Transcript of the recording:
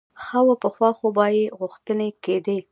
ښه وه پخوا خو به چې غوښتنې کېدې.